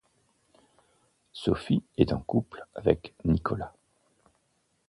Sophie est en couple avec Nicolas.